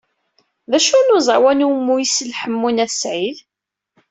D acu n uẓawan umi isell Ḥemmu n At Sɛid?